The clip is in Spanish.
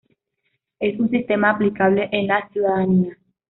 Es un sistema aplicable en la ciudadanía.